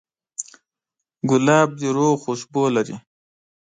ګلاب د روح خوشبو لري.